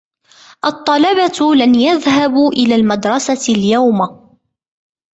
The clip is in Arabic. الطلبة لن يذهبوا إلى المدرسة اليوم.